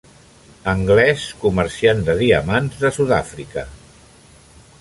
Anglès, comerciant de diamants de Sud-àfrica.